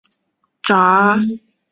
他为一个成年人重生的图画而挣扎。